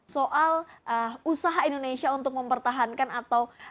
soal usaha indonesia untuk memperjuangkan kemerdekaan palestina